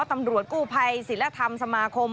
ตำรวจกู้ภัยศิลธรรมสมาคม